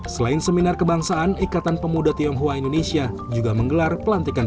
selain seminar kebangsaan ikatan pemuda tionghoa indonesia juga menggelar pelantikan